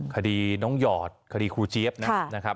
คดีน้องหยอดคดีครูเจี๊ยบนะครับ